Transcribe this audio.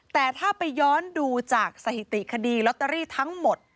แต่ถ้าไปย้อนดูจากสถิติคดีลอตเตอรี่ทั้งหมด